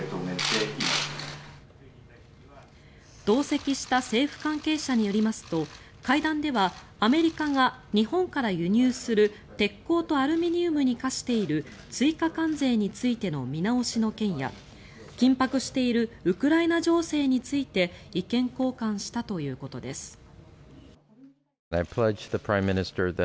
同席した政府関係者によりますと会談ではアメリカが日本から輸入する鉄鋼とアルミニウムに課している追加関税についての見直しの件や緊迫しているウクライナ情勢について意見交換したということです。